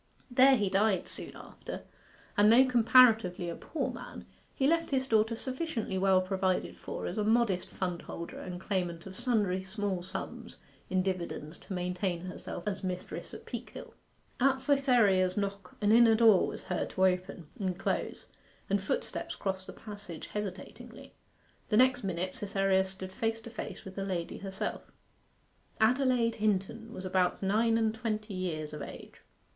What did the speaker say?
There he died soon after, and though comparatively a poor man, he left his daughter sufficiently well provided for as a modest fundholder and claimant of sundry small sums in dividends to maintain herself as mistress at Peakhill. At Cytherea's knock an inner door was heard to open and close, and footsteps crossed the passage hesitatingly. The next minute Cytherea stood face to face with the lady herself. Adelaide Hinton was about nine and twenty years of age.